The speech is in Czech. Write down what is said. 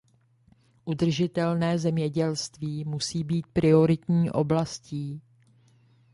Udržitelné zemědělství musí být prioritní oblastí.